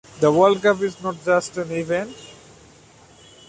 The World Cup is not just an event.